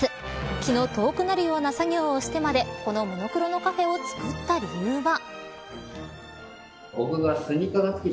気の遠くなるような作業をしてまでこのモノクロのカフェを作った理由は。